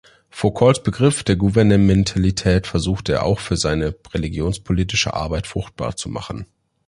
Foucaults Begriff der Gouvernementalität versucht er auch für seine religionspolitische Arbeit fruchtbar zu machen.